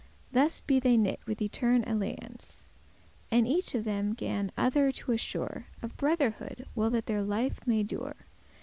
Thus be they knit with etern' alliance, And each of them gan other to assure Of brotherhood while that their life may dure.